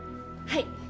はい。